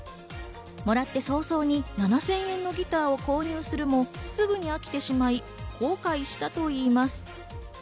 もらって早々に７０００円のギターを購入するもすぐに飽きてしまい後悔したといいます。